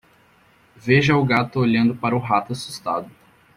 Veja o gato olhando para o rato assustado.